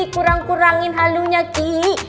kurang kurangin halunya ki